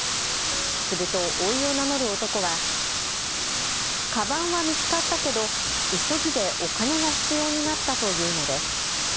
すると、おいを名乗る男はかばんは見つかったけど急ぎでお金が必要になったと言うのです。